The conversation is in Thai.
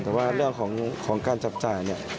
แต่ว่าเรื่องของการจับจ่ายเนี่ย